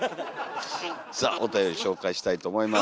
さあおたより紹介したいと思います。